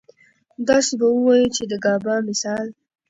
داسې به اووايو چې د ګابا مثال